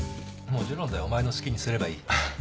もちろんだよ。お前の好きにすればいい。